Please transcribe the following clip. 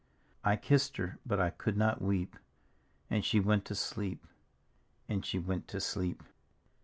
" I kissed her, but I could not weep. And she went to sleep, and she went to sleep.